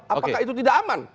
apakah itu tidak aman